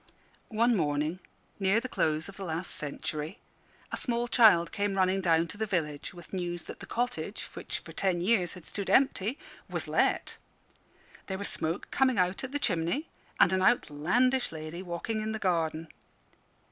One morning, near the close of the last century, a small child came running down to the village with news that the cottage, which for ten years had stood empty, was let; there was smoke coming out at the chimney, and an outlandish lady walking in the garden.